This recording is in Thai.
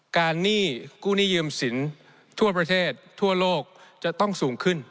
หนี้กู้หนี้ยืมสินทั่วประเทศทั่วโลกจะต้องสูงขึ้น